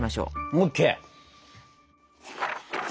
ＯＫ！